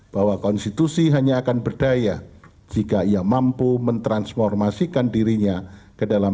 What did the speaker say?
bahwa konstitusi hanya akan berdaya jika ia mampu mentransformasikan dirinya ke dalam